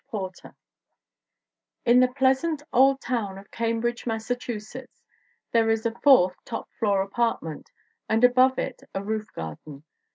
PORTER IN the pleasant old town of Cambridge, Mass achusetts, there is a fourth (top floor) apart ment and above it a roof garden.